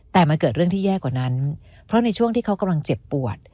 แต่มันเกิดเรื่องที่แย่กว่านั้นเพราะในช่วงที่เขากำลังเจ็บปวด